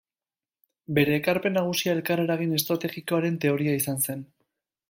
Bere ekarpen nagusia elkarreragin estrategikoaren teoria izan zen.